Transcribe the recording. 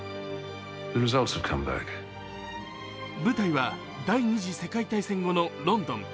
舞台は、第二次世界大戦後のロンドン。